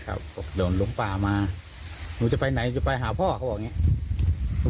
เดินหลงป่ามาหนูจะไปไหนจะไปหาพ่อเขาบอกอย่างนี้